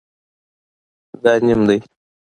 دا نیم دی